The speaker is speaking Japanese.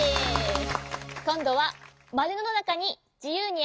こんどはまるのなかにじゆうにえをかくよ。